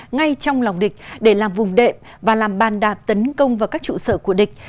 ngay trong lòng địch để làm vùng đệm và làm bàn đạp tấn công vào các trụ sở của địch